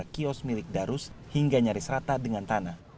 kios milik darus hingga nyaris rata dengan tanah